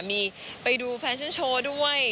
มีไปดูแฟชั่นโชว์ด้วย